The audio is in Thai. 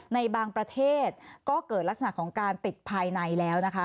ในบางประเทศก็เกิดลักษณะของการติดภายในแล้วนะคะ